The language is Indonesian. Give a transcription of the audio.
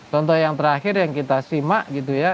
contoh yang terakhir yang kita simak gitu ya